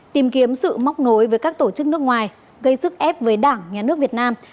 tìm kiếm sự móc nối với các tổ chức nước ngoài gây sức ép với đảng nhà nước việt nam